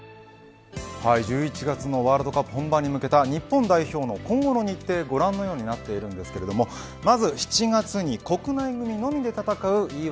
１１月のワールドカップ本番に向けた日本代表の今後の日程はご覧のようになっていますけどもまず７月に、国内組のみで戦うＥ